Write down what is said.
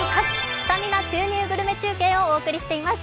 スタミナ注入グルメ中継をお送りしています。